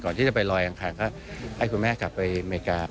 ที่จะไปลอยอังคารก็ให้คุณแม่กลับไปอเมริกา